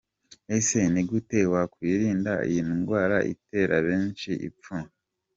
Ese ni gute wakwirinda iyi ndwara itera benshi ipfunwe?.